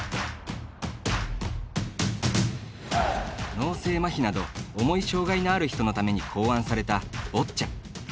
脳性まひなど重い障がいのある人のために考案された、ボッチャ。